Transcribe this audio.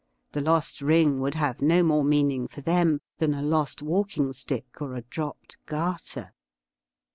The lost ring would have no more meaning for them than a lost walking stick or a dropped garter.